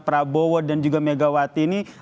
prabowo dan juga megawati ini